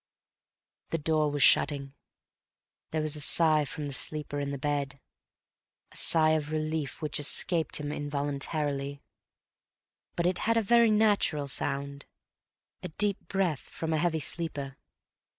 The door was shutting. There was a sigh from the sleeper in the bed, a sigh of relief which escaped him involuntarily. But it had a very natural sound—a deep breath from a heavy sleeper.